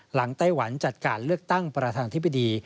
ไต้หวันจัดการเลือกตั้งประธานธิบดี